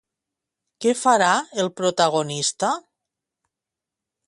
Què farà el protagonista?